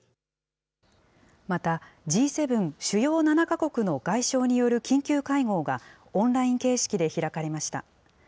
またＧ７・主要７か国の外相による緊急会合が、オンライン形式で開かれました。